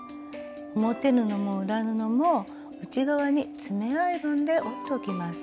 表布も裏布も内側に爪アイロンで折っておきます。